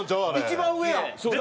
一番上や。